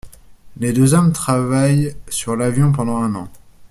Les deux hommes travaillent sur l'avion pendant un an.